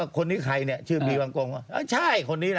อันนี้คืออันนี้อันนี้